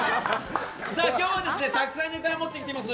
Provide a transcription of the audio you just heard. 今日もたくさんネタを持ってきてます。